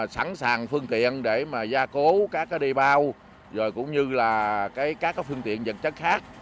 sẵn sàng phương tiện để gia cố các đê bao cũng như các phương tiện dân chất khác